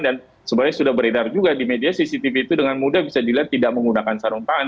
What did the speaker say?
dan sebenarnya sudah beredar juga di media cctv itu dengan mudah bisa dilihat tidak menggunakan sarung tangan